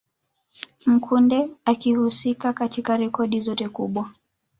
Mkude akihusika katika rekodi zote kubwa